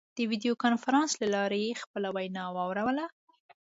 د ویډیو کنفرانس له لارې خپله وینا واوروله.